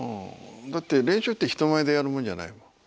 だって練習って人前でやるもんじゃないもん。